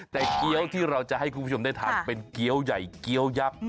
แต่เกี้ยวที่เราจะให้คุณผู้ชมได้ทานเป็นเกี้ยวใหญ่เกี้ยวยักษ์